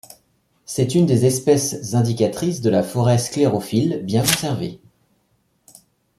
C’est une des espèces indicatrices de la forêt sclérophylle bien conservée.